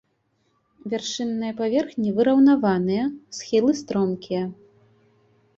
Вяршынныя паверхні выраўнаваныя, схілы стромкія.